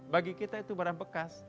bagi kita itu barang bekas